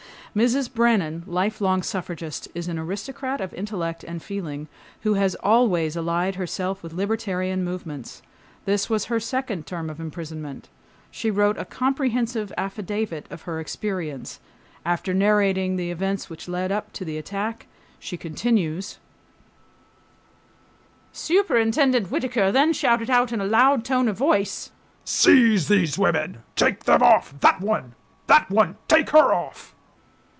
Mrs. Brannan, life long suffragist, is an aristocrat of intellect and feeling, who has always allied herself with libertarian movements. This was her second term of imprisonment. She wrote a comprehensive affidavit of her experience. After narrating the events which led up to the attack, she continues: Superintendent Whittaker ... then shouted out in a loud tone of voice, "Seize these women, take them off, that one, that one; take her off."